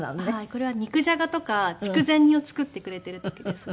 これは肉じゃがとか筑前煮を作ってくれている時ですね。